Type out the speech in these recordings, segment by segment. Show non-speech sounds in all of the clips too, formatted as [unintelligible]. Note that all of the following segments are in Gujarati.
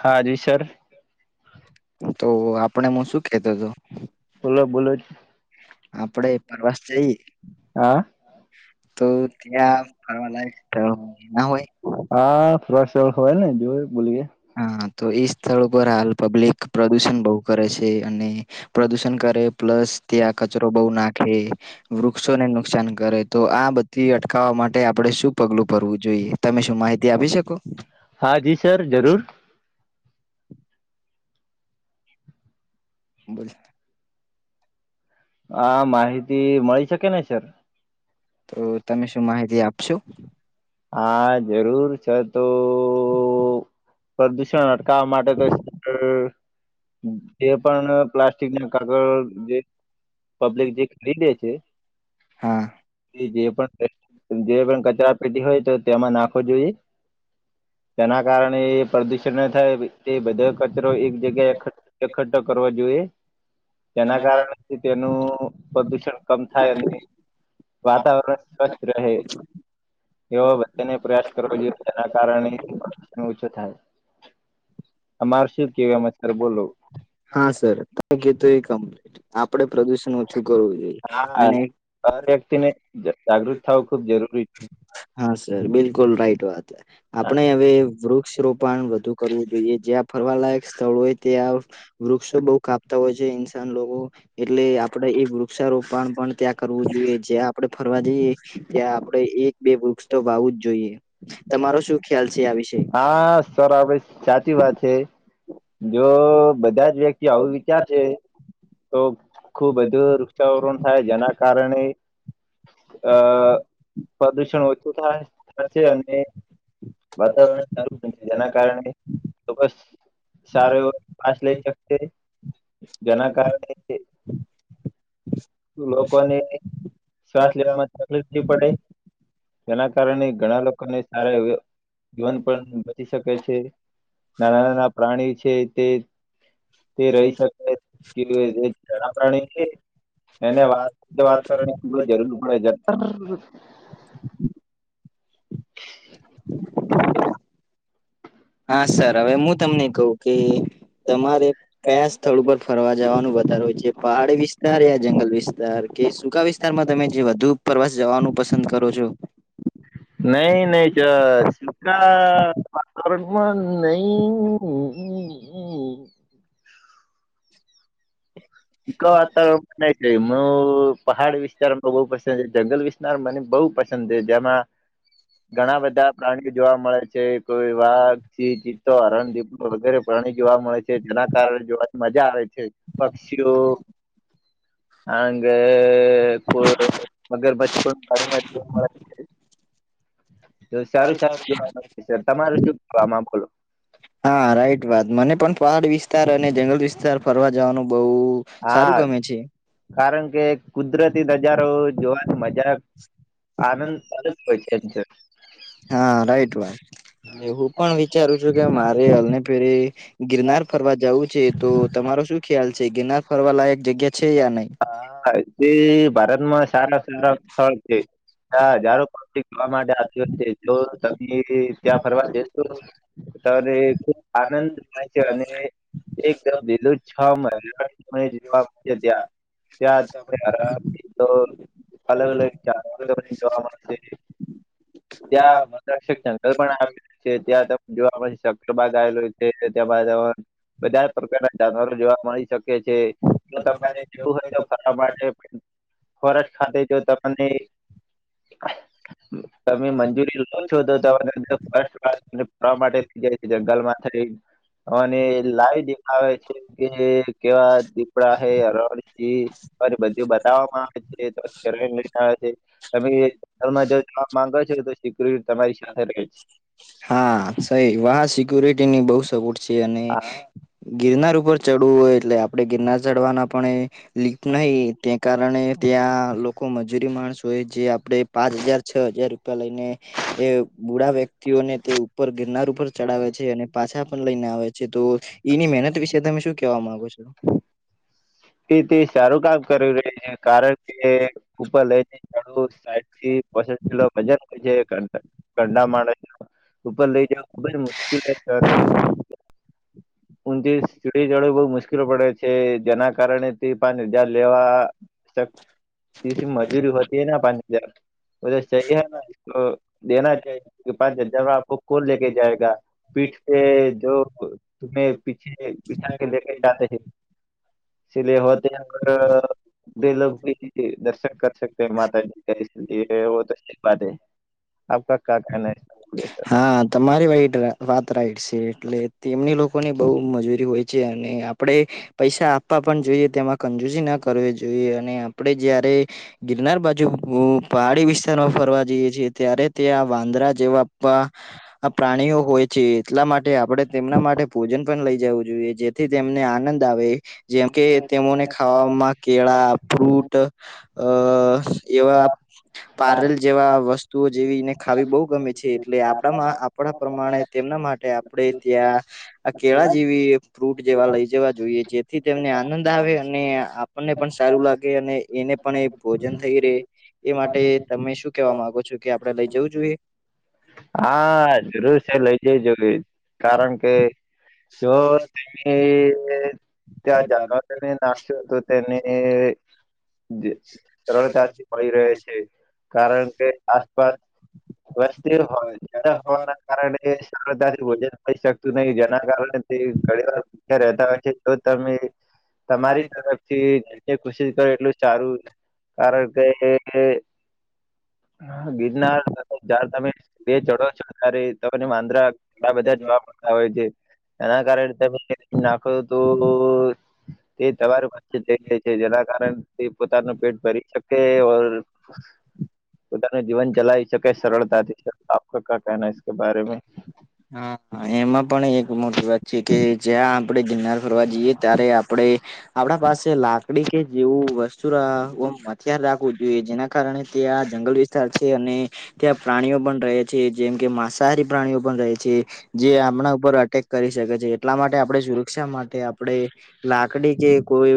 હા જી સર તો આપણે મુ શું કેતો હતો? બોલો બોલો હા તો ત્યાં ફરવા લાયક હોય હા થોરા હોય ને જો બોલી ગ હા તો એ સ્થળ ઉપર હાલ પબ્લિક પ્રદુષણ બહુ કરે છે અને પ્રદુષણ કરે પ્લસ ત્યાં કચરો બહુ નાખે વૃક્ષોને નુકસાન કરે તો આ બધી અટકાવવા માટે આપડે શું પગલું ભરવું જોઈએ, તમે શું માહિતી આપી શકો? હા જી સર જરૂર બોલ હા માહિતી મળી શકે ને સર. તો તમે શું માહિતી આપશો? હા જરૂર છે તો પ્રદૂષણ અટકાવવા માટે તો અ તે પણ પ્લાસ્ટિક ના કાગળ જે પબ્લિક જે ખરીદે છે. હા. જે પણ જે પણ કચરા પેટી હોય તો તેમાં નાખવો જોઈએ તેના કારણે પ્રદૂષણ ના થાય એ બધો કચરો એક જગ્યાએ એકઠ એકઠઠો કરવો જોઈએ તેના કારણેથી તેનું પ્રદુષણ કમ થાય અને વાતાવરણ સ્વચસ્થ રહે એવા બધાને પ્રયાસ કરવો જોઈએ તેના કારણે પ્ર ઓછો થાય તમાર શું કેવી આમાં સર બોલો? હા સર ત ક એ કમ્પલીટ આપે પ્રદુષણ ઓછું કરવું જોઈએ અને વ્યક્તિ ને જાગૃત થવું ખુબ જરૂરી છે. હા સર બિલકુલ રાઈટ વાત હ આપણે હવે વૃક્ષ રોપણ વધુ કરવું જોઈએ જ્યાં ફરવાલાયક સ્થળ હોય ત્યાં વૃક્ષો બહુ કાપતા હોય છે ઇન્સાન લોકો એટલે આપડે એ વૃક્ષારોપણ પણ ત્યાં કરવું જોઈએ જ્યાં આપડે ફરવા જઈએ ત્યાં આપડે એક બે વૃક્ષ તો વાવું જ જોઈએ તમારો શું ખ્યાલ છે આ વિશે? સર આ સાચી વાત છે જો બધા જ વ્યક્તિ આવું વિચાર છે તો ખુબ બધું વૃક્ષાવોરણ થાય જેના કારણે અ પ્રદુષણ ઓછું થાય છે અને વાતાવરણ જેના કારણે ખૂબ જ સારો એવો પાસ લઈ ચકતે જેના કારણે લોકોને શ્વાસ લેવામાં તકલીફ બી પડે. તેના કારણે ઘણા લોકોને સારા એવા જીવન પણ બચી શકે છે. નાના નાના પ્રાણી છે તે તે રહી શકે [unintelligible] પ્રાણી છે એને વાત વાત [unintelligible] બ જરૂર પડે [inaudible] હા સર હવે મુ તમને કહું કે તમારે કયા સ્થળ ઉપર ફરવા જવાનું વધારે છે પહાડી વિસ્તાર યા જંગલ વિસ્તાર તાર કે સૂકા વિસ્તારમાં તમે જે વધુ પ્રવાસ જવાનું પસંદ કરો છો? નઈ નઈ ચ સૂકા વાતાવરણમાં નઈ ક ત નઈ કઈ મું પહાડ વિસ્તારમાં બહુ પસંદ છે જંગલ વિસ્તાર મને બહુ પસંદ છે જેમાં. ઘણા બધા પ્રાણીઓ જોવા મળે છે કોઈ વાઘ, સિંહ, ચિત તો, હરણદીપ વગેરે પ્રાણી જોવા મળે છે જેના કારણે જોવાની મજા આવે છે. શીઓ હંગ કો મગરમચ્છ પણ પાણીમાં જોવા મળે. તો સારું સારું [inaudible] તમાર શું કેવું આમાં બોલો? હા રાઈટ વાત મને પણ પહાડ વિસ્તાર અને જંગલ વિસ્તાર ફરવા જવાનું બહુ હા કારણ કે કુદરતી નજારો જોવાની મજા [inaudible] હા રાઈટ વાત. એટલે હું પણ વિચારું છું કે મારે અલને ફેરી ગિરનાર ફરવા જવું. છે તો તમારો શું ખ્યાલ છે ગિરનાર ફરવા લાયક જગ્યા છે યા નહી? હા તે ભારતમાં સાના સલા સ્થળ છે. હા ધારો કે પીપમાં માટે આવતી હોય છે. જો તમે ત્યાં ફરવા જશો ત્યારે ખુબ આનંદ થાય છે. અને એકદમ લીલુંછમ મહિના પછી [inaudible] ત્યાં ત્યાં [inaudible] અલગ અલગ જાનવરો જોવા મળશે. ત્યાં રક્ષક છે કોઈ પણ આપ છે ત્યાં તમેન જોવા મળશે શકરબાગ આયેલો છે તેમાં તમાર બધા પ્રકારના જાનવરો જોવા મળી શક કે છે. જો તમારે જવું હોય તો ફરવા માટે ફોરેસ્ટ ખાતે જો તમ અને તમે મંજૂરી લો છો તો તમા મતલબ ફર્સ્ટ વાત મતલબ ફરવા માટે થઈ જાય છે જંગલમાં થઈ અને લાઈવ દેખાવે છે કે કેવા દીપડા હે હરણ, સિંહ બધું બતાવવામાં [inaudible] છે. તમે હોટલમાં જવા માંગો છો તો સિકુરિટ તમારી સાથે રહે છે. હા સહી વહા સિક્યોરિટીની બહુ સપોર્ટ છે અને હા ગિરનાર ઉપર ચડવું હોય એટલે આપણેે ગિરનાર ચડવાના પણ એ લીપ નહી તે કારણે ત્યાં લોકો મજૂરી માણસ હોય જે આપણે પાંચ હજાર, છ હજાર રૂપિયા લઈને એ બુઢા વ્યક ક્તિઓને તે ઉપર ગિરનાર ઉપર ચડાવે છે અને પાછા પણ લઈને આવે. છે. તો એની મહેનત વિશે તમે શું કેવા માંગો છો? તે તે સારું કામ કરી રહી હે કારણ કે [inaudible] ઘરના માણસ [inaudible] ઉપર લઇ જાવા ખૂબ જ મુશ્કેલ હે ધારો કે ઊંચી સીડી ચડવી બહુ મુશ્કેલ પડે છે. જેના કારણે તે પાંચ હજાર લેવા [inaudible] કી એસી મજૂરી હોતી હે ન પાંચ હજાર વો તો [inaudible] અ દેહજ કે પાચ હજા આપ કોલ લેકે જયગ પીઠ પે જો તુમ્ પીછે બિછા કે લેકે જતે હ સલેે હોતે જે લોક ભી દર્શન કરશે. [inaudible] આપકા ક્યા કહેના હૈ [inaudible] તમારી વાઇટ વાત રાઈટ છે. એટલે તેમની લોકોની બહુ મજૂરી હોય. છે અને આપણેે પૈસા આપવા પણ જોઈએ તેમાં કંજૂસી ન કરવી જોઈએ અને આપ આપડે જયારે ગિરનાર બાજુ પહાડી વિસ્તારમાં ફરવા જઈએ છીએ ત્યારે તે આ વાંદરા જેવા પા આ પ્રાણીઓ હોય છે એટલા માટે આપડણે તેમના માટે ભોજન પણ લઈ જવું જોઈએ જે થી તેમને આનંદ આવે જેમ કે તેઓને ખાવામાં કેળા ફ્રૂ ટ અ એવા પારલ જેવા વસ્તુઓ જેવીને ખાવી બહુ ગમે છે એટલે આપડામાં આપણા પ્રમાણે તેમના માટે આપણે ત્યાં આ કેળા જેવી ફ્રૂટ જેવા લઈ જવા જોઈએ જેથી તેમને આનંદ આવે અને અપને પણ સારું લાગે અને એને પણ એ ભોજન થઈ રહે એ માટે તમે શું કેવા માંગો છો કે આપડે લઈ જવું જોઈએ હા જરૂર છે લઈ જે જોઈ કારણ કે જો [unintelligible] ત્યાં જાગા તેને નાખશ્યો હતો તેને જે સરળતા મળી રહે છે કારણ કે આસપાસ વસ્તી હોય વા કાર સરળતાથી ભોજન થ શકતું નહી જેના કારણે તે ઘણી વાર રહેતા તા હોય છે જો તમે તમારી તરફથી કોશિશ કરો તું ચારું કારણ કે એ ગીરનાર ચ તમે ચ ડો તો વાદરા બધા જોવા મળતા હોય છે એના કારણે નાખ્યું તો તે તમારું ખચાય છે જેના કારણે પોતાનું પેટ ભરી શકે વ પોતાને જીવન જલાઈ શકે સરળતાથી આપ ક્યા કહેના હૈ ઈસ બાર મે હા એમાં પણ એક મોટી વાત છે કે જ્યાં આપણેે ગિરનાર ફરવા જઈએ ત્યારે અપ આપડે આપડા પાસે લા કડી કે જેવું વસ્તુ મથયાર રાખવું જોઈએ જેના કારણે તે આ જંગલ વિસ્તાર છે અને ત્યાં પ્રાણીઓ પણ રહે છે જેમ કે માંસાહારી પ્રાણીઓ પણ રહે છે જે આપણા ઉપર અટેક કરી શકે છે એટલા માટે આપણે સુરક્ષા માટે આપણે લાકડી કે કોઈ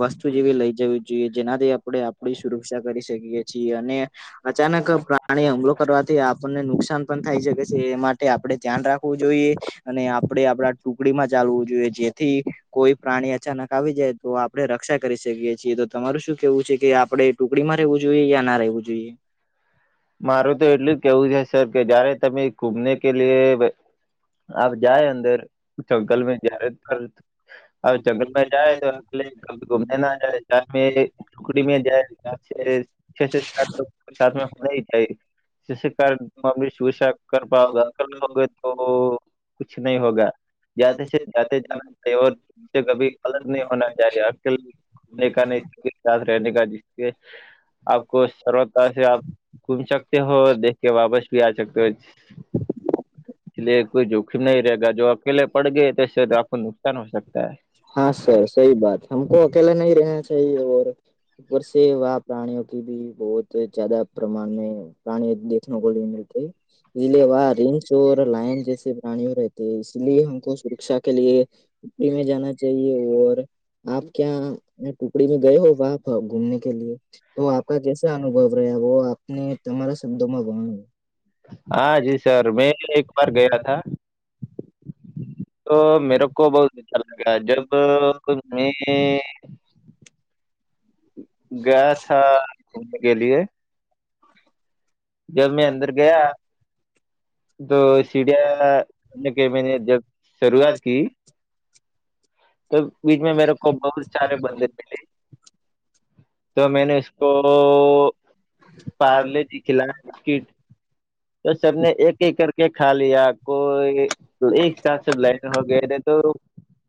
વસ્તુ જેવી લઈ જવી જોઈએ જેનાથી આપડણે અપ પડી સુરક્ષા કરી શકીએ છીએ અને અચાનક પ્રાણી હમલો કરવાથી આપણને નુકસાન પણ થાય શકે છે એ માટે અપ આપડે ધ્યાન રાખવું જોઈએ અને આપડે આપડા ટુકડી માં ચાલવું જોઈએ જેથી કોઈ પ્રાણી અચાનક આવી જાય તો આપડણે રક્ષા કરી શકીએ છીએ તો તમારું શું કેવું છે કે આપડણે ટુકડી માં રહેવું જોઈએ યા ના રહેવું જોઈએ [unintelligible] મારું તો એટલું જ કેવું છે સર કે જયારે તમે ઘૂમને કે લ આપ જાય અંદર ચકલમમેં જય્યારે કર હ જંગલમાં જાય તો ગુને ના જાય ચ ટુકડી જાય પછ છે સા સા થઈ થઈ શશીકામા સુ સા [unintelligible] [unintelligible] ત્યાંથી ત કભી અલગ નહી હોના ચ [unintelligible] [unintelligible] ઘૂમ સકતે હો દેખ કે વાપસ ભી આ સકતો હો ઇસીલિયે કોઈ જોખિમ નહી રહેગા જો અકેલે પડ ગયે તો શેઠ આપકો નુકસાન હો સકતા હૈ. હા સર સહી બાત હમકો અકેલા નહી રહેના ચાએ ઓ ઉપરસે વાહ પ્રાણીઓ કે ભી બહુત જદા પ્રમાણ મે પ્રાણી દખ કો ન મતી વાહ રીંચોર લાયન જૈ પ્રાણીઓ રહેતી તે ઇસલિયે હમકો સુરક્ષા કે લરી મે જ જઈએ આપ ક્યાં ટુકડી મે ગય હો વા ઘૂમને કે લ તો આપકા કેસા અનુભવ રહ્યા વો આપને તમારા શબ્દો માં ભણ હા જી સર મેં એક બાર ગયા થા. તો મેરે કો બહુ અચ્છા લગતા જબ કોઈ મે ગયા થા ઘૂમને કે લિયે. જબ મેં અંદર ગયા. તો સીડિયા ચડ ને કી મેને જબ શરૂઆત કી તબ બીચ મે મેરે કો બહોત સારે બંદર મિલે. તો મેને ઉસકો પાર્લે જી ખિલાય બિસ્કીિટ. તો સબને એક-એક કરકે ખા લિયા કોઈ તો એકસાથ સબ લાઈન મે હો ગયે તો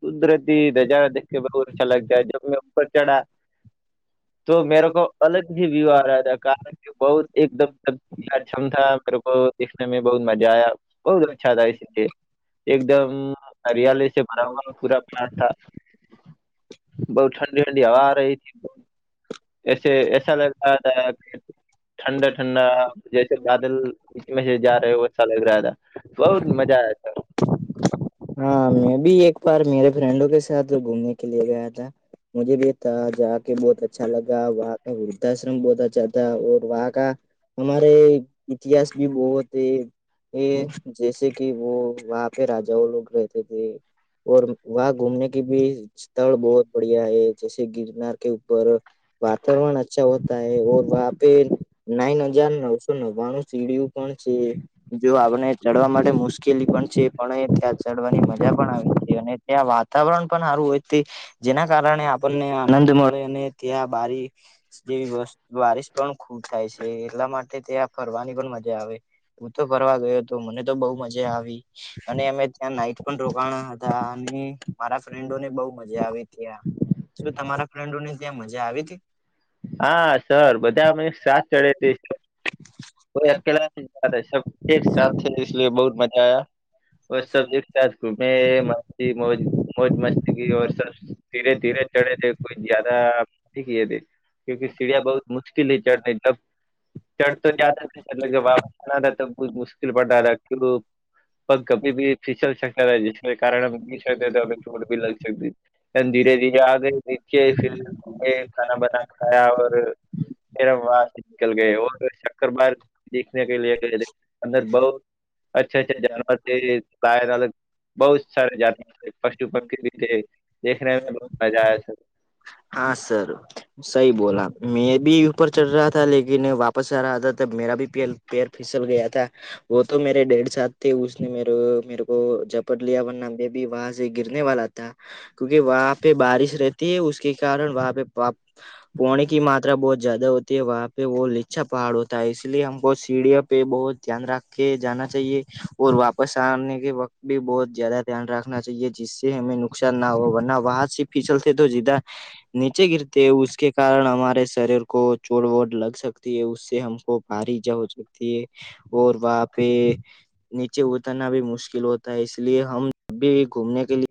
કુદરતી નજારા દેખ કે મેરે કો બહુત અચ્છા લગતા હૈ જબ મેં ઉપર ચઢા તો મેરો કો અલગ હી વ્યુ આ રહા તા. સ્કાય બહુત એકદમ અછમ થા. મેરે કો દીખને મે બહુત મજા આયા. બહુત અચ્છા થા સ્કાય. એકદમ હરિયાલી સે ભરા હુઆ પૂરા [unintelligible] બહુત ઠંડી-ઠંડી હવા આ રહી થી. એસે એસા લગતા થા કે ઠંડા-ઠંડા જેસે બાદલ ઇસમે સે જા રહે હો અચ્છા લગ રહા થા. બહુત મજા આયા થા. હા મેં બી એક બાર મેરે ફ્રેન્ડ લોક કે સાથ ઘૂમને કે લિયે ગયા થા. મુજે ભી એક વહાં જાકે બોહત અચ્છા લગા. વહાં પે વૃદ્ધાશ્રમ બોહત અચ્છા થા. ઓર વહાં કા હમારે ઇતિહાસ ભી બોહત હૈ. એ જેસે કે વો વહાં પે રાજાઓ લોક રેતે થે. ઓર વહાં ઘૂમને કી ભી સ્થળ બહુત બડિયા હૈ. જેસે ગિરનાર કે ઉપર વાતાવરણ અચ્છા હોતા હૈ. ઓર વહાં પે નાઈન હજાર નવસો નવ્વાણું સીડીયું પણ છે. જો આવને. ચડવા માટે મુશ્કેલી પણ છે. પણ એ ત્યાં ચડવાની મજા પણ આવે છે. અને ત્યાં વાતાવરણ પણ હારું હોય તે જેના કારણે આપણને આનંદ મળે અને ત્યાં બારી જેવી વસ્તુ વારીશ પણ ખુબ થાય છે એટલા માટે ત્યાં ફરવાની પણ મજા આવે. હું તો ફરવા ગયો તો મને તો બહુ મજા આવી અને અમે ત્યાં નાઈટ પણ રોકાણા હતા અને મારા ફ્રેન્ડોને બહું મજા આવે ત્યાં. શું તમારા ફ્રેન્ડોને ત્યાં મજા આવે છે? હા સર બધા અમે એક સાત ચડે તે કોઈ અકેલા નઈ જાતા હૈ. સબકે સાથ ચલે ઇસલિયે બોહત મજા આયા. ઓર સબ એકસાથ ઘુમે. મસ્તી મોજ મોજમસ્તી કી ઓર સબ ધીરે-ધીરે ચઢે છે કોઈ જાદા ક્યુંકી સીડિયા બહુત મુશ્કેલ હૈ ચઢને એકદમ. ચઢ તો જાતે હૈ લેકિન વાપસ આના તો મુશ્કિલ પડતા હૈ ક્યું પગ કભી ભી ફીસલ શકતા તા જિસકે કારણ હમ ફીસ ગિરતે તો ચોટ ભી લગ સકતી થી. પણ ધીરે-ધીરે આ ગયે નીચે ફીર મિલકે ખાના બના ખાયા ઓર બાર નિકલ ગયે. ઓર કોઈ શક્કર પાર્ક દેકને કે લિયે ગયે થે. અંદર બોહો અચ્છા અચ્છા જાનવર છે લ બહુત સાર જાનર ફસ્ટ ઉપર દખ બ મજા આયો હા સર સહી બોલા મેં ભી ઉપપર ચઢ રહા થા લેકિન વાપસ આ રહા તબ મેરા ભી પ પેર ફિસલ ગયા થા વો તો મેરે ડેડ સાથ થે ઉસને મેરે મેરે કો ઝપટ લિયા વરના મે બી નીચે ગિરને વાલા થા. ક્યુંકી વહાં પે બારિશ રેહેતી હૈ ઉસકે કારણ વહાં પે પગ પોણીકી માત્રા બોહત જ્યાદા હોતી વહાં પે વો લીછા પહાડ હોતા. ઇસ ઇસલિયે હમકો સીડીઓપે બોહત ધ્યાન રાખ કે જાના ચઈએ ઓર વાપસ આને કે વક્ત બી બોહત જ્યાદા ધ્યાન રાખના ચઇએ જીસે હમે નુકસાન ના હો વરના વહાં સે ફીસલ તે તો જીધા નીચે ગિરતે ઉસકે કારણ હમારે શરીર કો ચોડ વોડ લગ સક હમ ભારી જતી વ પે [unintelligible] નીચે ઉતરના ભી મુશ્કલ હોતા ઇસલિએ હમ ભી ઘૂમને કે લિએ.